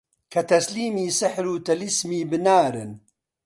کە تەسلیمی سیحر و تەلیسمی بنارن